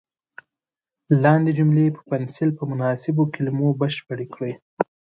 لاندې جملې په پنسل په مناسبو کلمو بشپړې کړئ.